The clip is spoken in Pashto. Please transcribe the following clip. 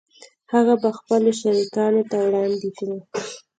هغه به خپلو شریکانو ته وړاندې کړو